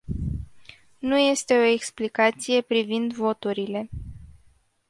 Nu este o explicație privind voturile.